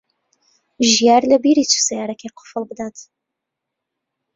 ژیار لەبیری چوو سەیارەکەی قوفڵ بدات.